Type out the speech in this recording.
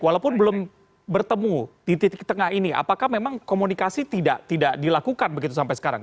walaupun belum bertemu di titik tengah ini apakah memang komunikasi tidak dilakukan begitu sampai sekarang